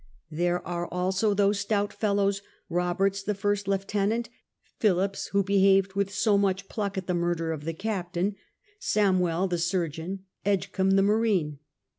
There are also those stout fellows — Boberts, the first lieutenant ; Phillips, who behaved with so much pluck at the murder of the captain ; Samwell, the surgeon ; Edgecumbe, the marine.